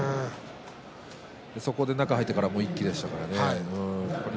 そこで中に入ってから一気でした。